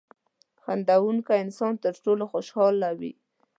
• خندېدونکی انسان تر ټولو خوشحاله وي.